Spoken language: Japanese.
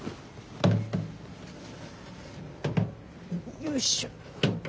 よいしょ。